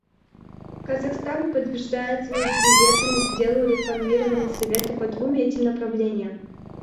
Казахстан подтверждает свою приверженность делу реформирования Совета по двум этим направлениям.